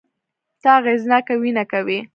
ته اغېزناکه وينه کوې